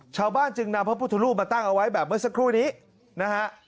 ชาวบ้านจึงนำพระพุทธรูปมาตั้งเอาไว้แบบเมื่อสักครู่นี้นะฮะ